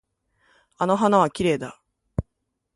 あの花はきれいだ。